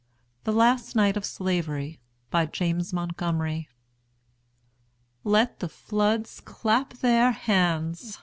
THE LAST NIGHT OF SLAVERY. BY JAMES MONTGOMERY. Let the floods clap their hands!